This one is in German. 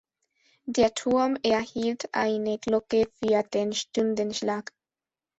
Der Turm erhielt eine Glocke für den Stundenschlag.